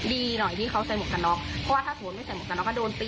ดีหน่อยที่เขาเส้นหมุนกระน๊อก